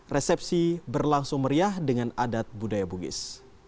resepsi berlangsung meriah dengan adat budaya bugis